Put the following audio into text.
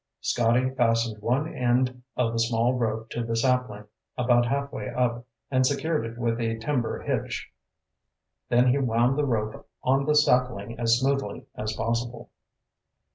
Scotty fastened one end of the small rope to the sapling, about halfway up, and secured it with a timber hitch. Then he wound the rope on the sapling as smoothly as possible.